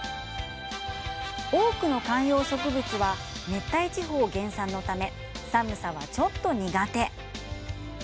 多くの観葉植物は熱帯地方原産のため寒さはちょっと苦手。